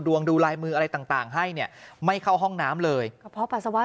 ดูลายมืออะไรต่างให้เนี่ยไม่เข้าห้องน้ำเลยกระเพาะ